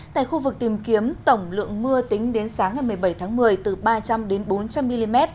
tại khu vực tìm kiếm tổng lượng mưa tính đến sáng ngày một mươi bảy tháng một mươi từ ba trăm linh bốn trăm linh mm